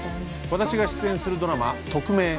私が出演するドラマ「トクメイ！